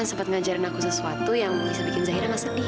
amir sempat mengajarin aku sesuatu yang bisa bikin zahira mas sedih